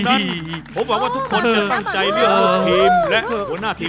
ดังนั้นผมบอกว่าทุกคนจะตั้งใจเลี่ยงหัวหน้าทีม